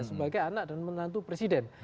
sebagai anak dan menantu presiden